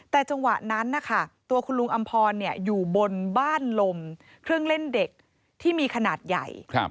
แต่จังหวะนั้นนะคะตัวคุณลุงอำพรอยู่บนบ้านลมเครื่องเล่นเด็กที่มีขนาดใหญ่